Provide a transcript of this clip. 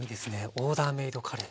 オーダーメードカレー。